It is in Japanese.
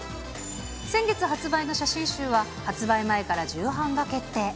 先月発売の写真集は発売前から重版が決定。